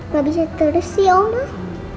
gak bisa terus ya omah